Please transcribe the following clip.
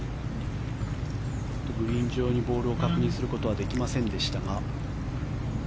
グリーン上にボールを確認することはできませんでしたが。